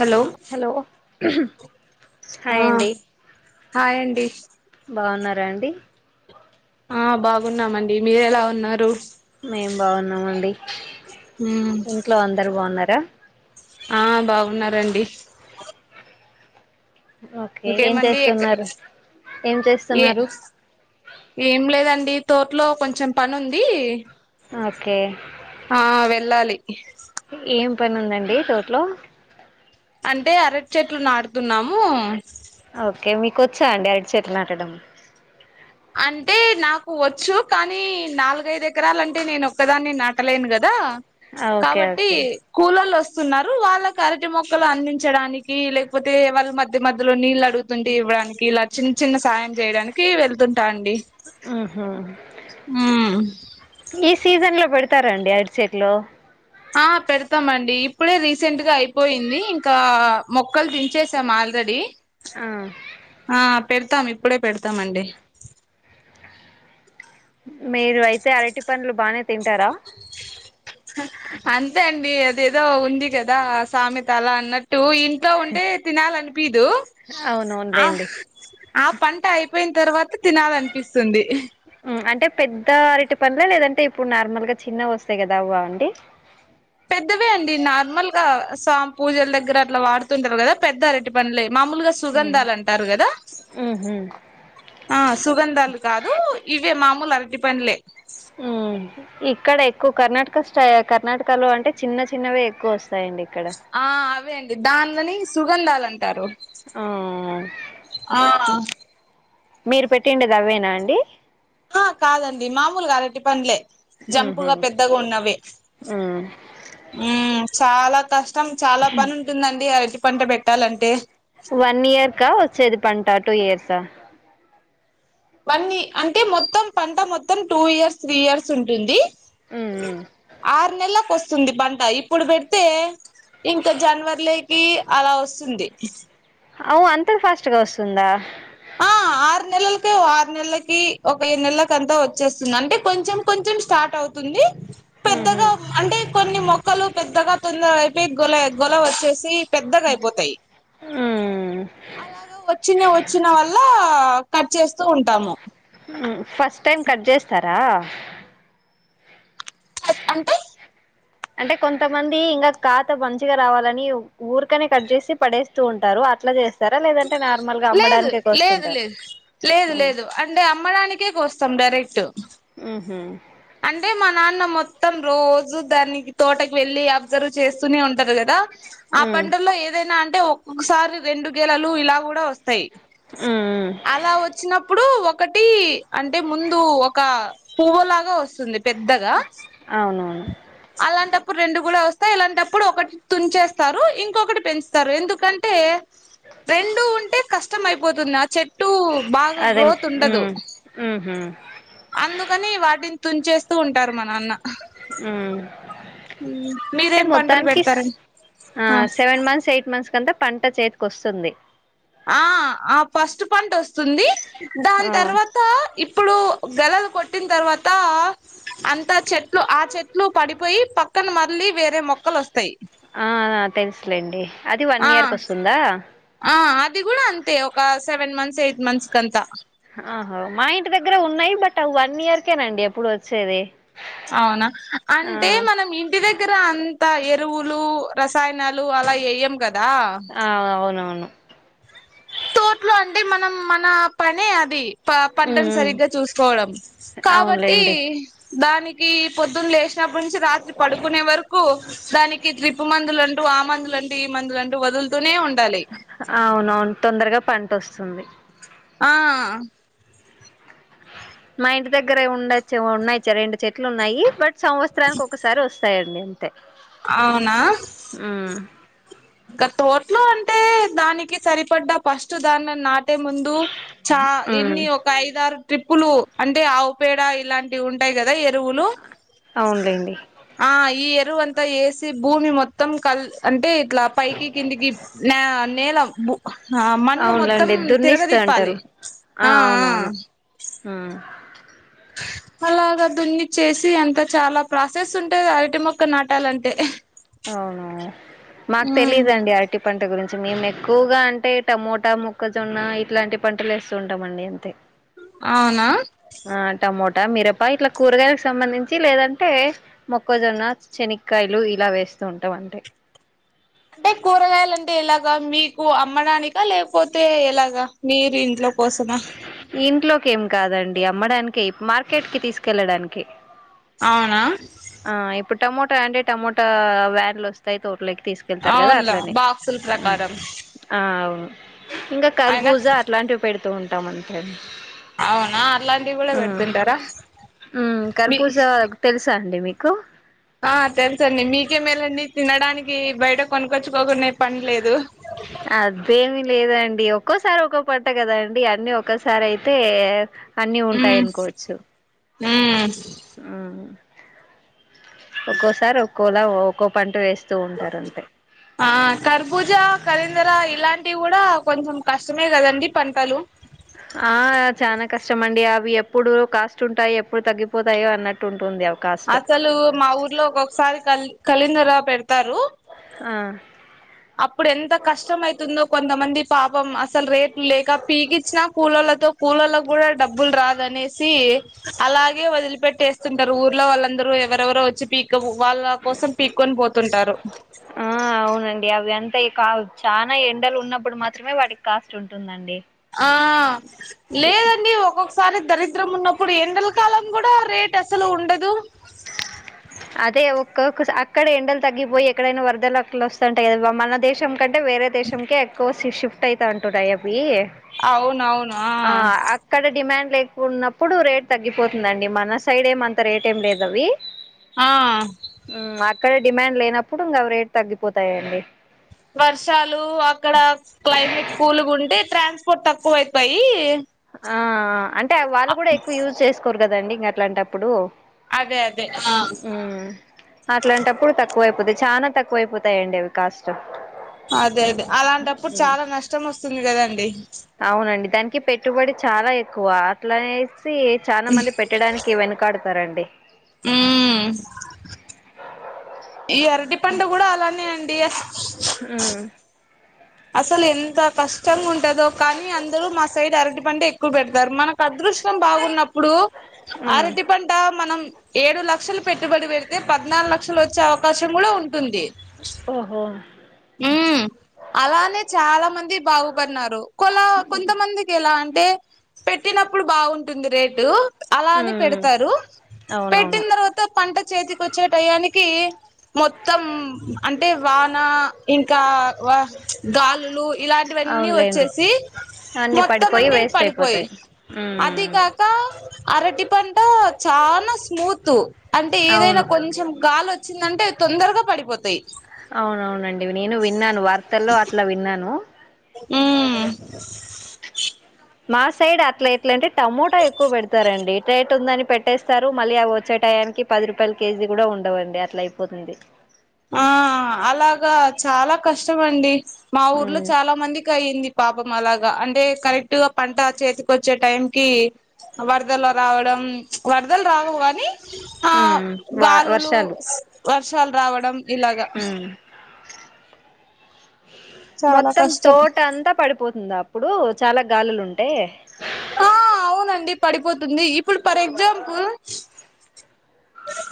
hello ఆ hi అండి hi అండి రండి ఆ బాగున్నామండి మీరెలా ఉన్నారు మేం బాగున్నామండి ఇంట్లో అందరు బాగున్నారా ఆ బాగున్నారండి ఓకే ఏం ఇంకేమండి ఎక్క చేస్తున్నారు ఏం ఏ చేస్తున్నారు ఏం లేదండి తోటలో కొంచెం పని ఉంది ఓకే వెల్ళాలి ఏం పనుందండి తోట్లో అంటే అరటి చెట్లు నాడుతున్నాము కొచ్చా అండి అడిచెట్లు నాటడం అంటే నాకు వచ్చు కానీ నాలుగైదు ఎకరలంటే నేను ఒక్కదాన్ని నాటలేను కదా ఓకే కాబట్టి ఓకే కూలొల్లు వస్తా తున్నారు వాళ్ళకు అరటి మొక్కలు అందించడానికి లేకపోతే వాళ్ళ మధ్య మధ్యలో నీళ్ళు అడుగుతుంటే ఇవ్వ డానికి ఇలా చిన్న చిన్న సాయం చేయడానికి వెళ్తుంటా అండి మ్ హు మ్మ్ ఈ సీజన్ లో పెడతారండి అరటి చెట్లో ఆ పెడతామండి ఇప్పుడే రీసెంట్ గా అయిపోయింది ఇంకా మొక్కలు దించేసాం మల్ రెడీ ఆ పెడతాం ఇప్పుడే పెడతామండి మీరు అయితే అరటి పండ్లు బానే తింటారా అంతే అండి అదేదో ఉంది కదా సామెత అలా అన్నట్టు ఇంట్లో ఉంటే తినాలని పిదు ఆ అవునవునులేండి ఆ పంట అయిపోయి తర్వాత తినాలనిపిస్తుంది అంటే పెద్ద అరిటి పండ్ల లేదంటే ఇప్పుడు నార్మల్ గా చిన్నవి వస్తాయి కదా అవ్వ అండి పెద్దవే అండి నార్మల్ గా స్వామి పూజల దగ్గర అట్లా వాడుతుంటారు కదా పెద్ద అరటి పండ్లే మామూలుగా ఉమ్ సుగంధాలు అంటారు కదా ఉహు ఆ సుగంధాలు కాదు ఇవే మామూలు అరెటి పండ్లే మ్ ఇక్కడ ఎక్కువ కర్ణాటక స్టే కర్ణాటక లో అంటే చిన్న చిన్నవే ఎక్కువ వస్తంది వస్తాయండి ఇక్కడ దానిలోని సుగంధాలు అంటారు ఆ ఆ మీరు పెట్టిండేది అవేనా అండి హ కాదండి మామూలుగ అరటి పండ్లే ఉహు జంపుగా పెద్దగా ఉన్నవి ఉమ్ మ్ చాలా కష్ట ష్టం చాలా పని ఉంటుందండి అరటి పంట పెట్టాలంటే వన్ ఇయర్కా వచ్చేది పంట టూ ఇయర్సా అన్నీ అంటే మొత్తం పంట మొత్తం టూ ఇయర్స్ త్రీ ఇయర్స్ ఉంటుంది ఉమ్ ఉమ్ ఆరు నెలకు వస్తుంది పంట ఇప్పుడు పెడితే ఇంకా జనవర్లకి అలా వస్తుంది అవు అంతే ఫాస్ట్గా వస్తుందా పిలలకి ఒ ఆరు నెలలకి ఒక ఏడు నెలకి అంతా వచ్చేస్తుంది అంటే కొంచెం కొంచెం స్టార్ట్ అవుతుంది ఉహు పెద్దగా అంటే కొన్ని మొక్కలు పెద్దగా తొందర లిక్ గొలే గొల వచ్చేసి పెద్దగా అయిపోతాయి ఉమ్ అలాగా వచ్చిన వచ్చిన వల్ల కట్ చేస్తూ ఉంటాము ఉం ఫస్ట్ టైమ్ కట్ చేస్తారా అద్ అంటే అంటే కొంతమంది ఇంకా కాత మంచిగా రావాలని ఊర్కనే కట్ చేసి పడేస్తూ ఉంటారు రు అట్లా చేస్ లేదు లేదు లేదు లేదు ఉమ్ లేదు అంటే అమ్మడానికే కోస్తాం కరెక్టు ఊహు అంటే మా నాన్న మొత్తం రోజ్ జు దాన్ని తోటకి వెళ్ళి అబ్జర్వ్ చేస్తూనే ఉంటారు కదా ఆ ఉమ్ పంటల్లో ఏదైనా అం అంటే ఒక్కొక్కసారి రెండు గేలలు ఇలా కూడా వస్ తయి ఉమ్ అలా వచ్చినప్పుడు ఒకటి అంటే ముందు ఒక పువ్వులాగా వస్తుంది పెద్దగా అవునవును అలాంటప్పుడు రెండు కూడా వస్తాయి ఇలాంటప్పుడు ఒకటి తుంచేస్తారు ఇంకొకటి పెంచుతారు ఎందుకంటే ఏ రెండు ఉంటే కష్టం అయిపోతుంది ఆ చెట్టు బాగా అదే గ్రోత్ ఉండదు ఉమ్ ఉహు అందుకని వాటిన్ తుంచేస్తూ ఉంటారు మ నాన్న ఊ టె మొత్తానికిస్ ఆ సెవెన్ మంత్స్ ఎయిట్ మంత్స్ కంతా పంట చేతికి వస్తుంది ఆ ఆ ఫస్ట్ పంటొస్తుంది ఆ దాని తర్వాత ఇప్ ఇప్పుడు గలలు కొట్టిన తర్వాత అంత చెట్లు ఆ చెట్లు పడిపోయి పక్ క్కన మళ్ళీ వేరే మొక్కలు వస్ ఆ ఆ తెలుసులేండి అది వన్ ఇయర్ కొస్తుందా ఇవి కూడా అంతే ఒక సెవెన్ మంత్స్ ఎయిట్ మంత్స్ కంతా ఆహో మా ఇంటి దగ్గర ఉన్నాయి బట్ అ వన్ ఇయర్కేనండి ఎప్పుడు వచ్చేది అవునా ఆ అంటే మనం ఇంటి దగ్గర అంత ఎ రువులు రసాయనాలు అలా ఎయం ఆ అవునవును తోటలో అంటే మనం మన పనే అది ప పంటను ఉమ్ సరిగ్గా చూసుకోవడం కాబట్టి అవునులేండి దానికి పొద్దున్న లేష్ ప్ప నుంచి రాత్రి పడుకునే వరకు దానికి త్రిప్పు మందులని డు ఆ మందులు అంటే ఈ మందులు అంటూ వదులుతూనే ఉండాలి అవునవును తొందరగా పంట వస్తుంది ఆ మా ఇంటి దగ్గరే ఉండొచ్చు ఉన్నాయిచ్చ రెండు చెట్లు ఉన్నాయి బట్ సంవత్సరానికి ఒకసారి వస్ స్థాయండి అంటే ఊ ఇక తోట్లో అంటే దానికి సరిపడ్డా ఫస్ట్ దాన్ని నాట్ టే ముందు చా ఉమ్ ఎన్ని ఒక ఐదారు ట్రిప్పులు అంటే ఆవు పేడ ఇలాంటివి ఉంటాయి గద ఎరువులు అవునులేండి ఆ ఇ ఎరువం తయేసి భూమి మొత్తం కల్ అంటే ఇట్లా పైకి కిందికి నే నేల ఆ మన్ను మొత్తం అవునులేండి దున్నిస్తా తిరగదిప్పాలి అంటారు ఆ ఆ అవునవును ఆ అలాగా దున్ని చేసి అంత చాలా ప్రాసెస్ ఉంటది అరటి మొక్క నాటాలంటే అవును మాకు తెలీదండి ఆరటి పంట గురిం చి మేము ఎక్కువగా అంటే టమోటా మొక్కజొన్న ఇట్లాంటి పంటలు ఏస్తు ఉంటామండి అంతే అవునా ట మిరపా ఇట్లా కూరగాయలకు సంబంధించి లేదంటే మొక్కజొన్న శనీక్కయలు ఇలా వేస్ స్తుంటాం అంటే అంటే కూరగాయలు అంటే ఎలాగా మీకు అమ్మడానిక లేకపోతే ఎలాగా మీ ఇంట్లోకి ఏం కాదం అమ్మడానికి మార్కెట్ కి తీసుకెళ్లడానికి అవునా ఆ ఇప్పుడు టమోటా అంటే టమోటా వ్యాన్లు వస్తాయి తోటలోకి తీసుకెళ్తారు కదా అవునులా అట్లనే బాక్సుల ప్రకారం ఆ అవును ఇంకా అయినా కర్బూజ అట్లాంటివి పెడుతూ ఉంటాం అంతే అవునా అట్లాంటివి కూడా పెడుతుంటారా ఉ మీ కరపూజ తెలుసా అండి మీ కు ఆ తెలుసండి మీకె మేలండి తినడానికి బయట కొనుకొ అదేమి లేదం డి ఒక్కోసారి ఒక్కో పంట కదా అండి అన్ని ఒక్కసారి అయితే అన్నీ ఉంటాయి అనుకోవచ్చు హ ఆ ఒక్కోసారి ఒక్కోలా ఒ ఒక్కో పంట వేస్త ఆ కర్బూజ కరిందర ఇలాంటివి కూడా కొంచెం కష్టమే కదండి పంటలు ఆ చనా కష్టమండి అవి ఎప్పుడు కాస్ట్ ఉంటాయి ఎప్పుడు తగ్గిపోతాయో అన్నట్టు ఉంటుంది అవి కాస్ట్ అసలు మా ఊర్లో ఒకొక్క సారి కళింగర పెడతారు ఆ అప్పుడు ఎంత కష్టం అయితుందో కొంతమంది పాపం అసలు రేట్లు లేక పీకిచ్చినా కూలలు వాళ్ళతో కూలోలకు కూడా డబ్బులు రాదనేసి అలాగే వదిలిపట్టేస్తుంటారు ఊర్లో వాల అందరూ ఎవరెవరో వచ్చి పీక వాళ్ళ కోసం పీక్కొని పోతుంటారు తాయి కాదు చానా ఎండలు ఉన్నప్పుడు మాత్రమే వాటికి కాస్ట్ ఉంటుందండి ఆ ఇ లేదండి ఒక్కొక్కసారి దరిద్రం ఉన్నప్పుడు ఎండల కాలం కూడా రేట్ అసలు ఉండదు [inaudible] అదే ఒకొక్క స అక్కడ ఎండలు తగ్గిపోయి ఎక్కడైనా వరదలు అట్ల వస్తాంటాయి కదా మన దేశం కంటే వేరే దేశంకే ఎక్కువ షిఫ్ట్ అయితా అంటున్నాయి అవి ఆ అక్కడ డిమాండ్ లేకున్నప్పుడు రేట్ తగ్గిపోతుందండి మన సైడ్ ఏమంత రేట్ ఏం లేదు అవి ఆ అక్కడే డిమాండ్ లేనప్పుడు ఇంకావి రేట్ తగ్గిపోతాయండి వర్షాలు అక్కడ క్లైమేట్ కూల్గా ఉంటే ట్రాన్స్పోర్ట్ తక్కువైపోయి ఆ అంటే వాళ్ళు కూడా ఎక్కువ యూజ్ చేసుకోరు కదండి ఇంకా అట్లాంటప్పుడు అదే అదే ఆ ఊ అట్లాంటప్పుడు తక్కువైపో పోతే చాలా తక్కువైపోతాయండి అవి కాష్ట్ అదే అదే అలాంటప్పుడు చాలా నష్టం వస్తుంది కదా అండి అవునండి దానికి పెట్టుబడి చాలా ఎక్కువ అట్లనే సి చాలా మంది పెట్టడానికి వెనకాడుతారండి ఊమ్ ఈ అరటి పండు కూడా అలానే అండి మ్మ్ అసలు ఎంత కష్టంగా ఉంటదో కానీ అందరు మా సైడ్ అరటి పంటె ఎక్కువ పెడతారు మనకద్రు కృష్ణం బాగున్నప్పుడు మ్మ్ అరటి పంట మనం ఏడు లక్షల పెట్టుబడి పెడితే పద్నాలుగు లక్షలు వచ్చే అవకాశం కూడా ఉంటుంది ఓహో ఉమ్ అలానే చాలా మంది బాగుపన్నారు కొలా కొంతమందికి ఎలా అంటే పెట్టినప్పుడు బాగుంటుంది రేటు అలా అని మ్మ్ పెడతారు అవునవును పెట్టిన తర్వాత పంట చేతికి వచ్చే టయానికి మొత్తం అంటే వాన ఇంకా వ గాలులు ఇలాంటివన్నీ అవునులేండి వచ్చేసి అన్ని మొత్తం పడిపోయి అన్ని వేస్ట్ పడిపోయి అయిపోతాయి అది మ్మ్ కాక అరటిప్ ఆ పంట చాలా స్మూత్ అంటే ఏదైనా అవును కొంచెం గాలొచ్చి దంటే తొందరగా పడిపోతాయి అవునవునండి నేను విన్నాను వార్తల్లో అట్లా విన్నాను ఊమ్ మా సైడ్ అట్లా ఎట్ల అంటే టమోటా ఎక్కువ పెడతారండి టైట్ ఉందని పెట్టేస్తారు మళ్ళీ అ వచ్చే టైం నికి పది రూపాయల కేజీ కూడా ఉండవండి అట్లా అయిపోతుంది ఆ అలాగా చాలా కష్టమండి మా ఊర్లో ఉమ్ చాలా మంది కి అయ్యింది పాపం అలాగా అంటే కరెక్ట్ గా పంట చేతికొచ్చే టైం కి వరదల్లో రావడం వరదలు రావు కానీ ఆ ఉమ్ వా గాలులు వర్షాలు వర్షాలు రావడం ఇలాగా ఉమ్ చాలా మొత్తం కష్టం తోట అంతా పడిపోతుంది అప్పుడు చాలా గాలులుంటె ఆ అవునండి పడిపోతుంది ఇప్పుడు ఫర్ ఎగ్జాంపుల్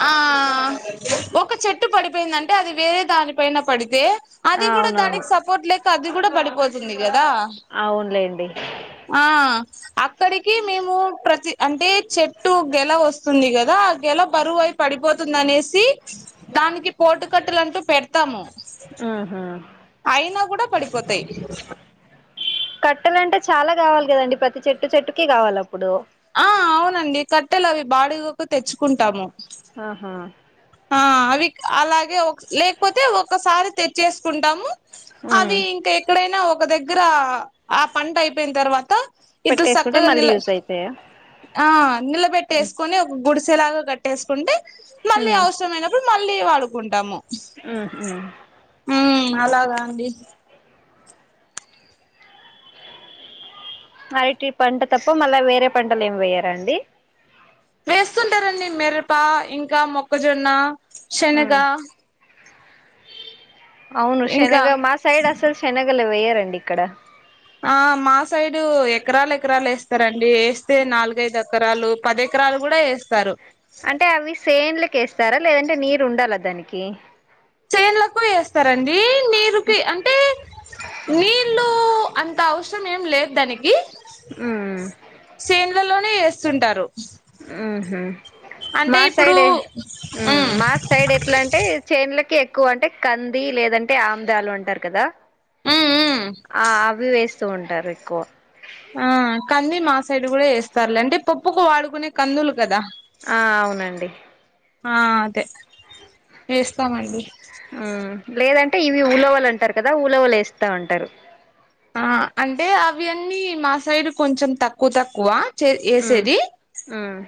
ఆ ఒక చెట్టు పడిపోయిందంటే అది వేరే దానిపైన పడితే ఆ అది కూడా అవునవును దానికి సపోర్ట్ లేక అది కూడా పడిపోతుంది కదా అవునులేండి ఆ అక్కడికి మేము ప్రతి అంటే చెట్టు గెల వస్తుంది కదా ఆ గెల బరువయి పడిపోతుంది అనేసి దానికి పోటు కట్టలు అంటూ పెడతాము ఆహా అయినా కూడా పడిపోతాయి కట్టెలు అంటే చాలా కావాలి కదండి ప్రతి చెట్టు చెట్టుకి కావాలి అప్పుడు ఆ అవునండి కట్టెలు అవి బాడగాకు తెచ్చుకుంటాము ఆహా ఆ అవి అలాగే లేకపోతే ఒకసారి తెచ్చేసుకుంటాము ఉమ్ అవి ఇంకా ఎక్కడైనా ఒక దగ్గర ఆ పంట అయిపోయిన తర్వాత ఇట్లా పెట్టేసుకుంటే చక్కగా మళ్ళీ నిల యూజ్ అయితాయా నిలబెట్టేసుకొని ఒక గుడిస్ చే లాగా కట్టేసుకుంటే హ ప్పుడు మళ్ళీ వాడుకుంటాము ఉమ్ ఉహు ఉమ్ అలాగా అండి అయితే ఈ పంట తప్ప మళ్ళా వేరే పంటలు ఏమి వెయ్యరా అండి వేస్తుంటారండి మిరప, ఇంకా మొక్కజొన్న, శనగ అవును ఇంకా శనగ మా సైడ్ అసలు శనగలు వేయారండి ఇక్కడ ఆ మా సైడు ఎకరాలు ఎకరాలు వేస్తారండి వేస్తే నాలుగైదు ఎకరాలు పది విత్తనాలు కూడా వేస్తారు అంటే అవి సేన్లకి వేస్తారా లేదంటే నీరు ఉండాలా దానికి చేన్లకు వేస్తారండి నీరుకి అంటే నీళ్ళు అంత అవసరం ఏం లేదు దానికి చేనులలోనే వేస్తుంటారు ఉహు అంటే మా ఇప్పుడు సైడ్ ఏ ఉమ్ మా సైడ్ ఎట్లా అంటే చేన్లకే ఎక్కువ అంటే కంది లేదంటే ఆముదాలు అంటారు కదా మ్మ్ మ్మ్ ఆ అవి వేస్త స్తూ ఉంటారు ఎక్కువ ఆ కంది మా సైడ్ కూడా వేస్తారులే అంటే పప్ పప్పుకు వాడుకునే కందులు కదా ఆ అవునండి ఆ అదే వేస్తామండి అంటే ఇవి ఉలవలు అంటారు కదా ఉలవలు వేస్తా ఉంటారు ఆ అంటే అవి అన్నీ మా సైడ్ కొంచెం తక్కువ తక్కువ చే ఉమ్ యేసేది ఉమ్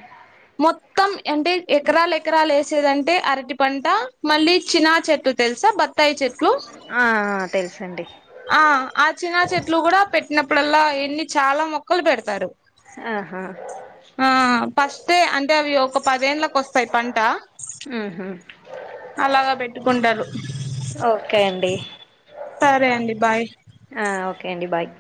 మొత్తం అంటే ఎకరాలు ఎకరాలు వేసేదంటే అరటి పంట మళ్ళీ చినా చెట్టు తెలుసా బ తాయి చెట్లు ఆ ఆ తెలుసండి ఆ చినా చెట్లు కూడా పెట్టిన ప్పుడల్ల ఎన్ని చాలా మొక్కలు పెడతారు ఆహా ఆ ఫస్టే అంటే అవి ఒక పది ఏండ్లకు వస్తాయి పంట ఊహు అలాగా పెట్టుకు ఉండరు ఓకే అండి సరే అండి బాయ్ ఒకే అండి బాయ్